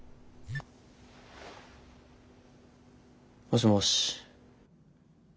もしもし。